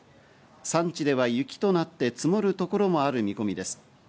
山地では雪となって積もるところもある見込みです。